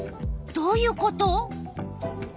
どういうこと？